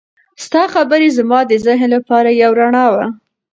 ستا خبرې زما د ذهن لپاره یو رڼا وه.